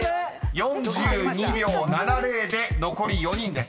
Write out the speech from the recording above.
［４２秒７０で残り４人です］